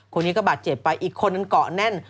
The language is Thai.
คนนี้ก็บาดเจ็บไปอีกคนนึงเกาะแน่น